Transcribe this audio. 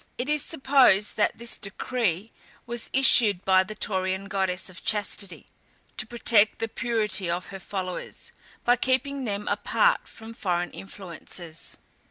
It is supposed that this decree was issued by the Taurian goddess of Chastity, to protect the purity of her followers, by keeping them apart from foreign influences.